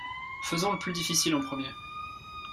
Faisons le plus difficile en premier.